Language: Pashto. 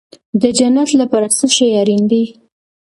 د جنت لپاره څه شی اړین دی؟